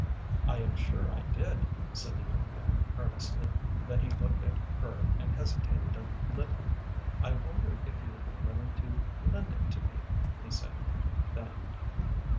"I am sure I did," said the young man, earnestly. Then he looked at her and hesitated a little. "I wonder if you would be willing to lend it to me?" he said, then.